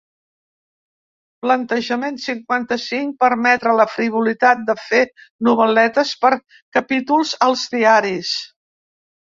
Plantejament cinquanta-cinc permetre la frivolitat de fer novel·letes per capítols als diaris.